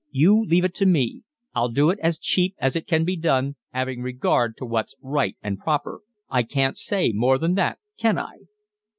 You leave it to me, I'll do it as cheap as it can be done, 'aving regard to what's right and proper. I can't say more than that, can I?"